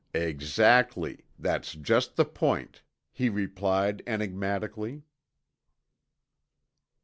"Exactly, that's just the point," he replied enigmatically.